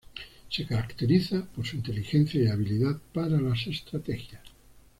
Se caracteriza por su inteligencia y habilidad para las estrategias.